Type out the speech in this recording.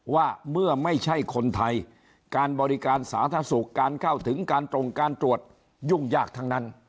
ว่าเมื่อไม่ใช่คนไทยการบริการสาธารณสุขการเข้าถึงการตรงการตรวจยุ่งยากทั้งนั้น